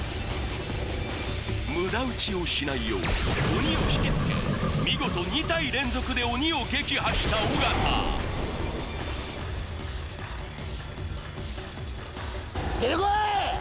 無駄撃ちをしないよう鬼を引きつけ見事２体連続で鬼を撃破した尾形出てこい！